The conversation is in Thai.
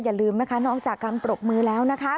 อย่าลืมนะคะนอกจากการปรบมือแล้วนะคะ